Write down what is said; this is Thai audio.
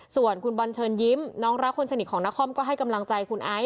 ส่วนคุณบอลเชิญยิ้มน้องรักคนสนิทของนครก็ให้กำลังใจคุณไอซ